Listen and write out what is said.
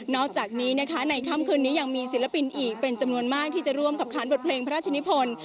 อกจากนี้นะคะในค่ำคืนนี้ยังมีศิลปินอีกเป็นจำนวนมากที่จะร่วมกับขานบทเพลงพระราชนิพล